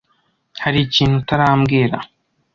Hari ikintu utarambwira?